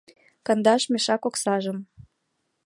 Кандаш мешак оксажым